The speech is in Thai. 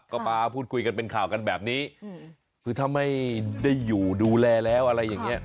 ก็มาพูดคุยกันเป็นข่าวกันแบบนี้คือถ้าไม่ได้อยู่ดูแลแล้วอะไรอย่างนี้